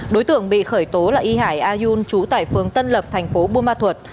đối tượng bị khởi tố là y hải a yun trú tại phường tân lập thành phố bùa ma thuật